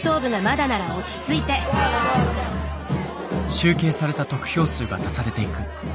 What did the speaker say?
集計された得票数が足されていく。